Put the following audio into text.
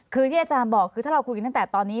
คือที่อาจารย์บอกคือถ้าเราคุยกันตั้งแต่ตอนนี้